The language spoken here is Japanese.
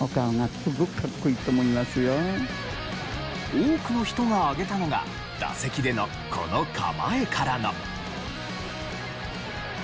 多くの人が挙げたのが打席でのこの構えからの。